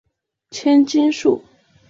千筋树